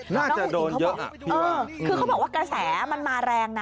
น่าจะโดนเยอะอ่ะเออคือเขาบอกว่ากระแสมันมาแรงนะ